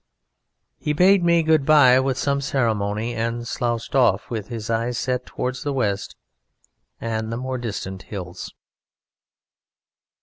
He bade me good bye with some ceremony and slouched off, with his eyes set towards the west and the more distant hills.